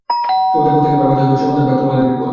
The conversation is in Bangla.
তোমাদের প্রত্যেককেই ভাবিতে হইবে, সমুদয় ভার তোমারই উপর।